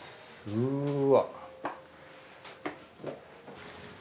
うわ。